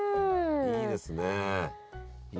いいですね。